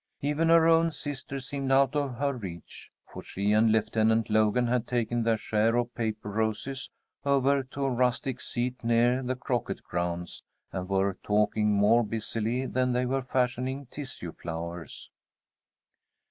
Even her own sister seemed out of her reach, for she and Lieutenant Logan had taken their share of paper roses over to a rustic seat near the croquet grounds and were talking more busily than they were fashioning tissue flowers.